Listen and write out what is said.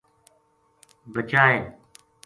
بچائے